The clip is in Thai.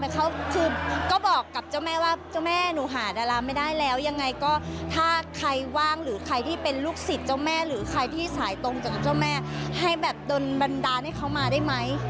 แต่เขาคือก็บอกกับเจ้าแม่ว่าเจ้าแม่หนูหาดาราไม่ได้แล้วยังไงก็ถ้าใครว่างหรือใครที่เป็นลูกศิษย์เจ้าแม่หรือใครที่สายตรงกับเจ้าแม่ให้แบบโดนบันดาลให้เขามาได้ไหม